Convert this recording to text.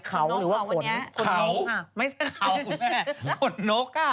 เขาหรือว่าขนเขาไม่ใช่เขาคุณแม่ขนนกอ่ะ